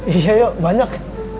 iya yuk banyak